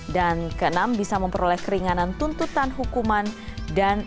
dan keenam bisa memperoleh keringanan tuntutan hukuman